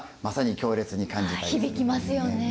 響きますよね。